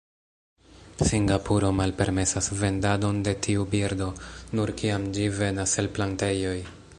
Singapuro malpermesas vendadon de tiu birdo, nur kiam ĝi venas el plantejoj.